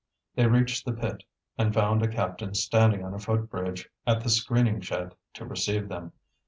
They reached the pit, and found a captain standing on a foot bridge at the screening shed to receive them.